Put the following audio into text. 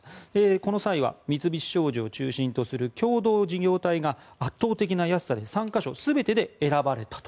この際は、三菱商事を中心とする共同事業体が圧倒的な安さで３か所全てで選ばれたと。